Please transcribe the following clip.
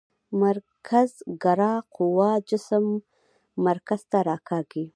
مرکزګرا قوه جسم مرکز ته راکاږي.